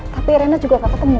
tapi rena juga kakak temu